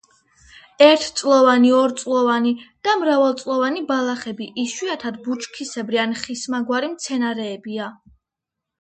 ერთწლოვანი, ორწლოვანი და მრავალწლოვანი ბალახები, იშვიათად ბუჩქისებრი ან ხისმაგვარი მცენარეებია.